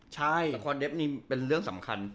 สควอร์เดฟนี่เป็นเรื่องสำคัญ